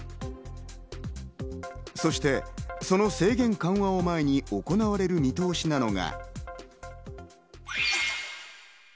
そして、その制限緩和を前に行われる見通しなのが。